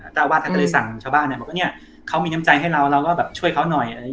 เจ้าอาวาสท่านก็เลยสั่งชาวบ้านเนี่ยบอกว่าเนี่ยเขามีน้ำใจให้เราเราก็แบบช่วยเขาหน่อย